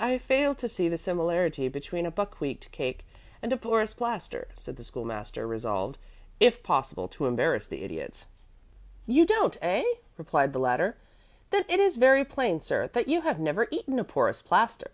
"I fail to see the similarity between a buckwheat cake and a porous plaster," said the School master, resolved, if possible, to embarrass the Idiot. "You don't, eh?" replied the latter. "Then it is very plain, sir, that you have never eaten a porous plaster."